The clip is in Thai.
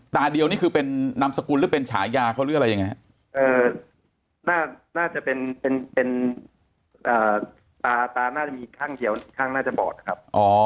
ตาเดียวนี่คือเป็นนามสกุลหรือเป็นฉายาเขาหรืออะไรยังไงฮะน่าจะเป็นตาตาน่าจะมีข้างเดียวข้างน่าจะบอดครับ